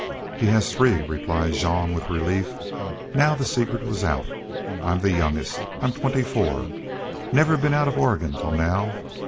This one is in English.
"He has three," replied Jean, with relief, now the secret was out. "I'm the youngest. I'm twenty four. Never been out of Oregon till now.